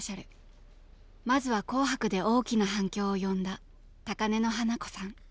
まずは「紅白」で大きな反響を呼んだ「高嶺の花子さん」